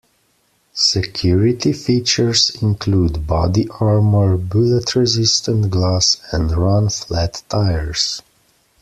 Security features include body armor, bullet-resistant glass and run-flat tires.